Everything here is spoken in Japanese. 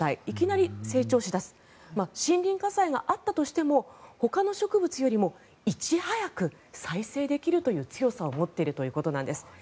いきなり成長し出す森林火災があったとしてもほかの植物よりもいち早く再生できるという強さを持っているということです。